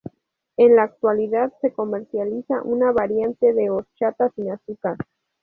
En la actualidad se comercializa una variante de horchata sin azúcar.